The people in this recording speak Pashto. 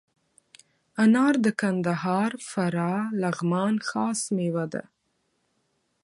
انار د کندهار، فراه، لغمان خاص میوه ده.